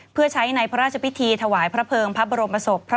เพื่อใช้ในพระราชพิธีถวายพระเภิงพระบรมศพ